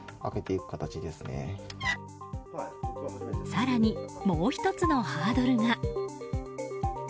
更に、もう１つのハードルが。